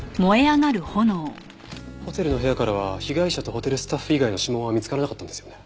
ホテルの部屋からは被害者とホテルスタッフ以外の指紋は見つからなかったんですよね？